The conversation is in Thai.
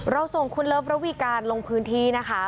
ส่งคุณเลิฟระวีการลงพื้นที่นะคะ